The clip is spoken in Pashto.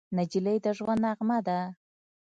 نجلۍ د ژوند نغمه ده.